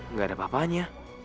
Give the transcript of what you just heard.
nggak ada apa apanya